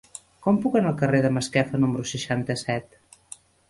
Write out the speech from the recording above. Com puc anar al carrer de Masquefa número seixanta-set?